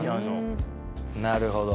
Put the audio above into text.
なるほど。